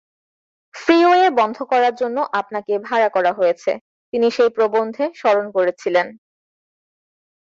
'Freeway বন্ধ করার জন্য আপনাকে ভাড়া করা হয়েছে,' তিনি সেই প্রবন্ধে স্মরণ করেছিলেন।